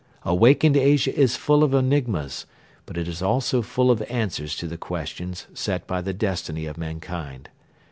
Awakened Asia is full of enigmas but it is also full of answers to the questions set by the destiny of humankind.